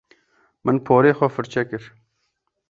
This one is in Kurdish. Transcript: Min porê xwe firçe kir.